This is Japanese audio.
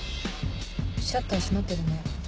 シャッター閉まってるね。